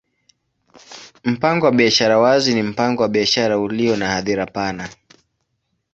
Mpango wa biashara wazi ni mpango wa biashara ulio na hadhira pana.